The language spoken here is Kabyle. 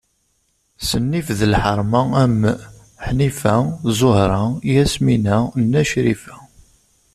S nnif d lḥerma am: Ḥnifa, Zuhra, Yasmina, Na Crifa.